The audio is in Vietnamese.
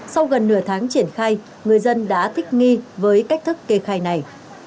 sau gần nửa tháng triển khai người dân đã thích nghi với cách thức kê khai này